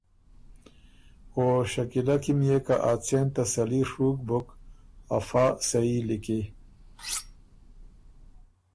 او شکیلۀ کی م يې که ا څېن تسلي ڒُوک بُک افا صحیح لِکی“